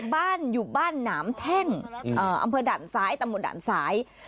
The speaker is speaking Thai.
บ้านอยู่บ้านหนามแท่งอำเภอด่านซ้ายตำบลด่านซ้าย